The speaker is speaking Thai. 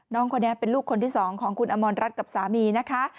น้องคนนี้เป็นลูกคนที่๒ของคุณอมรรัฐกับสามีนะคะ